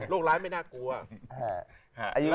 ร้ายไม่น่ากลัว